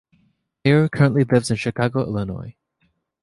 Thayer currently lives in Chicago, Illinois.